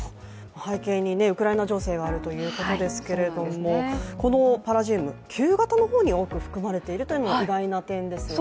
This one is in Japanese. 背景にウクライナ情勢があるということですけども、このパラジウム、旧型の方に多く含まれているというのは意外な点ですね。